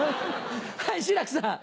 はい志らくさん。